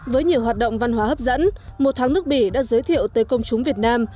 với nhiều hoạt động văn hóa hấp dẫn một tháng nước bỉ đã giới thiệu tới công chúng việt nam